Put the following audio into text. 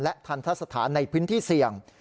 และทันทัศน์สถานในพื้นที่เสี่ยง